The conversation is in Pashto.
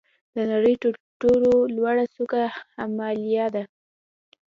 د نړۍ تر ټولو لوړه څوکه هیمالیا ده.